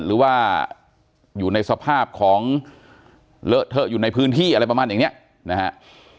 หรือว่าอยู่ในสภาพของเลอะเทอะอยู่ในพื้นที่อะไรประมาณอย่างเนี้ยนะฮะ